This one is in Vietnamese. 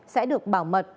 sẽ được bảo mật